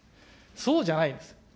そうじゃないんです。